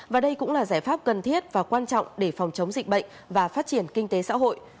và đây cũng là giải pháp cần thiết và quan trọng để phòng chống dịch bệnh và phát triển kinh tế xã hội